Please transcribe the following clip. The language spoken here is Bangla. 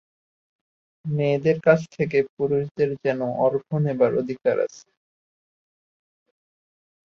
মেয়েদের কাছ থেকে পুরুষদের যেন অর্ঘ্য নেবার অধিকার আছে।